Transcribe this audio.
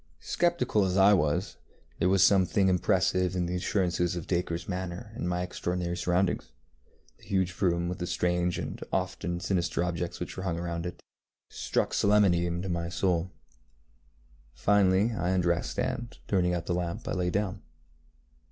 Sceptical as I was, there was something impressive in the assurance of DacreŌĆÖs manner, and my extraordinary surroundings, the huge room with the strange and often sinister objects which were hung round it, struck solemnity into my soul. Finally I undressed, and, turning out the lamp, I lay down.